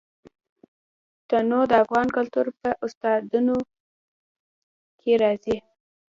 تنوع د افغان کلتور په داستانونو کې راځي.